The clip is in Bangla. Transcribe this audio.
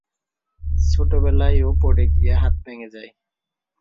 ছোটবেলায় ও পড়ে গিয়ে হাত ভেঙ্গে যায়।